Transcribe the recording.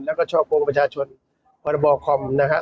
และก็ช่อกลงประชาชนพรบคอมพิวเตอร์